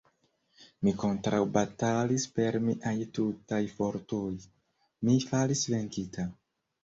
Mi kontraŭbatalis per miaj tutaj fortoj: mi falis venkita.